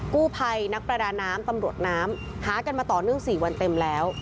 กู้ภัยนักประดาน้ำตำรวจน้ำหากันมาต่อเนื่อง๔วันเต็มแล้ว